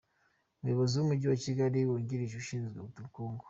Umuyobozi w’Umujyi wa Kigali wungirije ushinzwe ubukungu, .